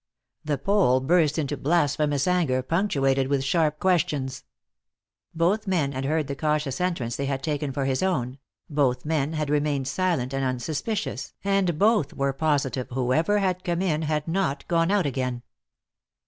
The Pole burst into blasphemous anger, punctuated with sharp questions. Both men had heard the cautious entrance they had taken for his own, both men had remained silent and unsuspicious, and both were positive whoever had come in had not gone out again.